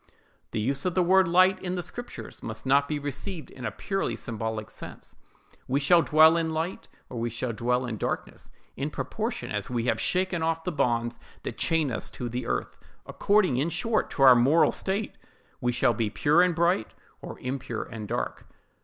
The use of the word light, in the Scriptures, must not be received in a purely symbolical sense. We shall dwell in light, or we shall dwell in darkness, in proportion as we have shaken off the bonds that chain us to the earth; according, in short, to our moral state, we shall be pure and bright, or impure and dark.